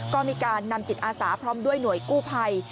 ก็มีการนำจิตอาสาพร้อมด้วยหน่วยกู้ภัย